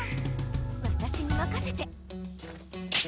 わたしにまかせて。